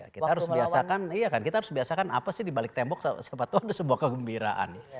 kita harus biasakan iya kan kita harus biasakan apa sih di balik tembok sepatu ada sebuah kegembiraan